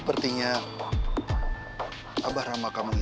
masih gimana